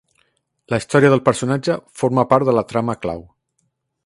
La història del personatge forma part de la trama clau.